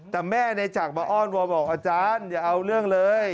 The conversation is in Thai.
แต่แม่ในจักรมาอ้อนวอบอกอาจารย์อย่าเอาเรื่องเลย